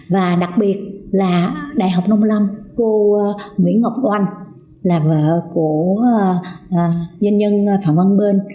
và đặc biệt là đại học nông lâm cô nguyễn ngọc oanh là vợ của doanh nhân phạm văn bên